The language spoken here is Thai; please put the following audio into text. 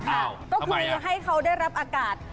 ก็คือให้เขาได้รับอากาศ